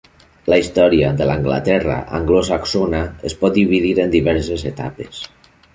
La història de l'Anglaterra anglosaxona es pot dividir en diverses etapes.